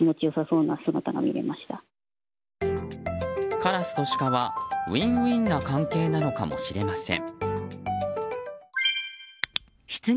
カラスとシカはウィンウィンな関係なのかもしれません。